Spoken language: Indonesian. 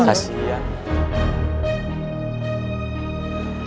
malah si wulan juga